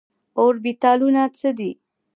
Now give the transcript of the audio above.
اوربيتالونه څه دي ؟